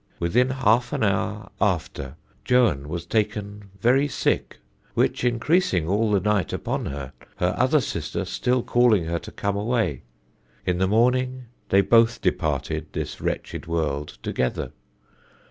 Within half an houre after, Johan was taken very sicke, which increasinge all the night uppone her, her other sister stille callinge her to come away; in the morninge they both departed this wretched world together.